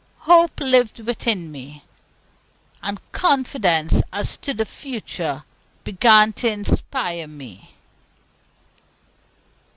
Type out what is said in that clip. Hope lived within me, and confidence as to the future began to inspire me.